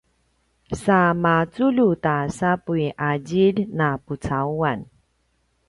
sa maculju ta sapuy a djilj na pucauan